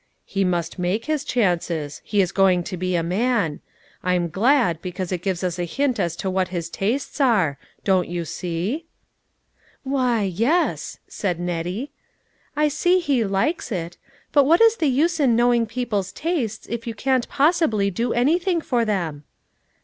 " He must make his chances ; he is going to be a man. I'm glad, because it gives us a hint as to what his tastes are ; don't you see ?"" Why, yes," said Nettie, " I see he likes it ; but what is the use in knowing people's tastes if you cannot possibly do anything for them